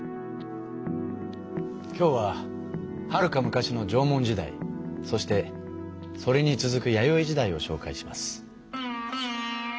今日ははるか昔の縄文時代そしてそれに続く弥生時代をしょうかいします。